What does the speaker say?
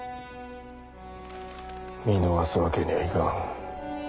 見逃すわけにはいかん。